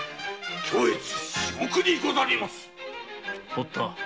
堀田。